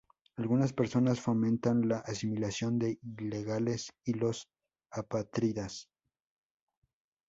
Algunas personas fomentan la asimilación de ilegales y los apátridas.